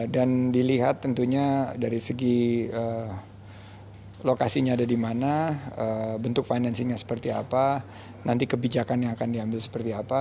dan dilihat tentunya dari segi lokasinya ada di mana bentuk finansinya seperti apa nanti kebijakan yang akan diambil seperti apa